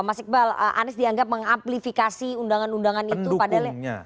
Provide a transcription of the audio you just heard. mas iqbal anies dianggap mengamplifikasi undangan undangan itu padahal